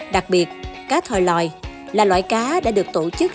đặc biệt cá thòi lòi là loại cá đã được tổ chức